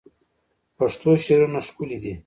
پښتو شعرونه ښکلي دي